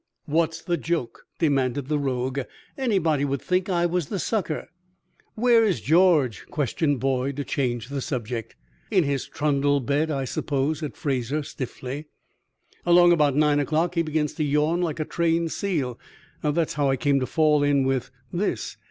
"What's the joke?" demanded the rogue. "Anybody would think I was the sucker." "Where is George?" questioned Boyd, to change the subject. "In his trundle bed, I suppose," said Fraser, stiffly. "Along about nine o'clock he begins to yawn like a trained seal. That's how I came to fall in with this."